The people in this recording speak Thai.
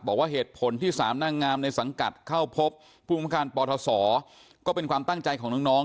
บอกว่าเหตุผลที่๓นางงามในสังกัดเข้าพบภูมิการปทศก็เป็นความตั้งใจของน้อง